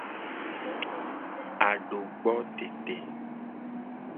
Adogbo tete.